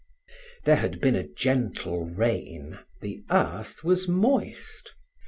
There had been a gentle rain, the earth was moist.